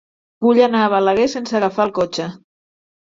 Vull anar a Balaguer sense agafar el cotxe.